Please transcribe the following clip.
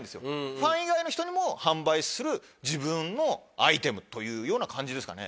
ファン以外の人にも販売する自分のアイテムというような感じですかね。